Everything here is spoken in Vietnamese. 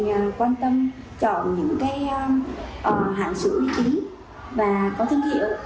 rất là quan tâm chọn những cái hãng sữa uy tín và có thương hiệu